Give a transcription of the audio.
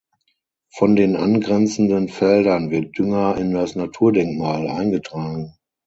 Von den angrenzenden Feldern wird Dünger in das Naturdenkmal eingetragen.